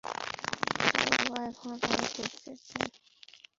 তার বাবা এখনো তাকে খুঁজছেন।